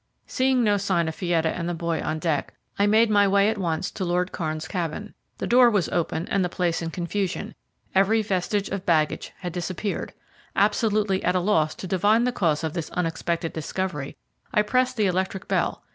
Seeing no sign of Fietta and the boy on deck, I made my way at once to Lord Kairn's cabin. The door was open and the place in confusion every vestige of baggage had disappeared. Absolutely at a loss to divine the cause of this unexpected discovery, I pressed the electric bell.